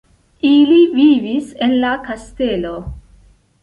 Ili vivis en la kastelo.